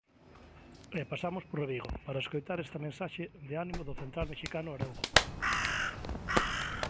E pasamos por Vigo para escoitar esta mensaxe de ánimo do central mexicano Araujo.